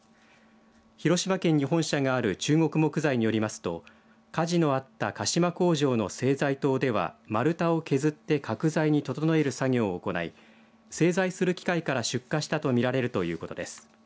広島県に本社がある中国木材によりますと火事のあった鹿島工場の製材棟では丸太を削って角材に整える作業を行い製材する機械から出火したと見られるということです。